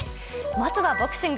まずはボクシング。